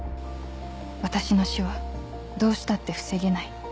私の死はどうしたって防げない。